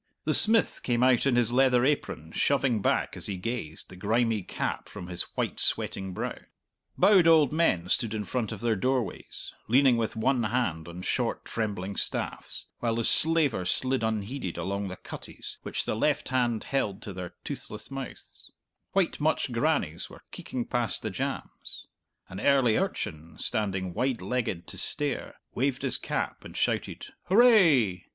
The smith came out in his leather apron, shoving back, as he gazed, the grimy cap from his white sweating brow; bowed old men stood in front of their doorways, leaning with one hand on short, trembling staffs, while the slaver slid unheeded along the cutties which the left hand held to their toothless mouths; white mutched grannies were keeking past the jambs; an early urchin, standing wide legged to stare, waved his cap and shouted, "Hooray!"